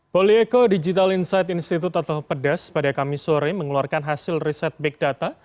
polieko digital insight institute atau pedes pada kamis sore mengeluarkan hasil riset big data